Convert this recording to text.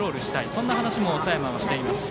そんな話も佐山はしていました。